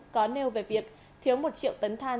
có nêu về việc thiếu một triệu tấn than